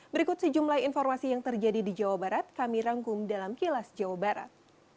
berikut sejumlah informasi yang terjadi di jawa barat kami rangkum dalam kilas jawa barat